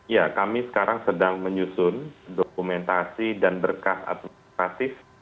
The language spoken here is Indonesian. ya kami sekarang sedang menyusun dokumentasi dan berkah administratif